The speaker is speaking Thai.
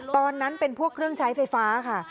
ตอนนั้นเป็นพวกเครื่องใช้ไฟฟ้าค่ะ